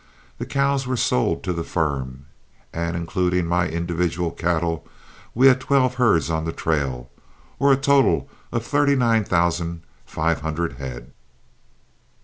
The cows were sold to the firm, and including my individual cattle, we had twelve herds on the trail, or a total of thirty nine thousand five hundred head.